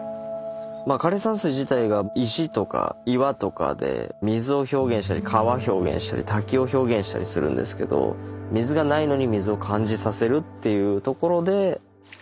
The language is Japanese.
まあ枯れ山水自体が石とか岩とかで水を表現したり川表現したり滝を表現したりするんですけど水がないのに水を感じさせるっていうところで。